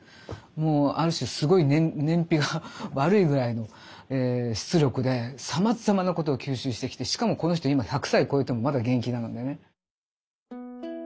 ある種すごい燃費が悪いぐらいの出力でさまざまなことを吸収してきてしかもこの人今１００歳こえてもまだ現役なのでね。